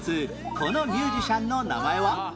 このミュージシャンの名前は？